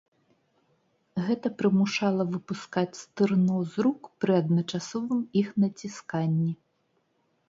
Гэта прымушала выпускаць стырно з рук пры адначасовым іх націсканні.